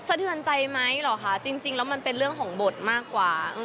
เทือนใจไหมเหรอคะจริงแล้วมันเป็นเรื่องของบทมากกว่า